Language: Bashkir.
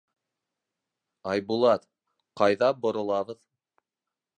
— Айбулат, ҡайҙа боролабыҙ.